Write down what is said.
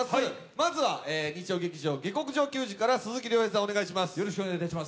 まずは日曜劇場「下剋上球児」から鈴木亮平さん、お願いします。